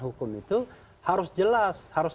hukum itu harus jelas harus